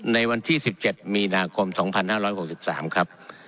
ในวันที่๑๗มีนาคม๒๕๖๓ครับ